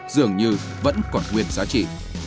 dường như vẫn còn nguyên giá trị